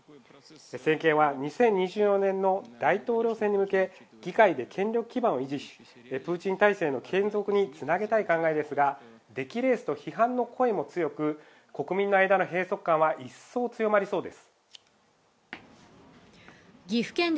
政権は２０２４年の大統領選に向け議会で権力基盤を維持しプーチン体制の継続につなげたい考えですが出来レースと批判の声も強く国民の間の閉塞感は一層強まりそうです